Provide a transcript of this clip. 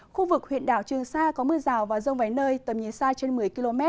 khu vực huyện đảo trường sa có mưa rào và rông vài nơi tầm nhìn xa trên một mươi km